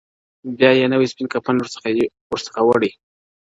بیا یې نوی سپین کفن ورڅخه وړی.!